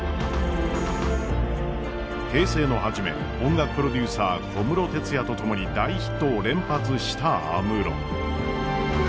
平成の初め音楽プロデューサー小室哲哉と共に大ヒットを連発した安室。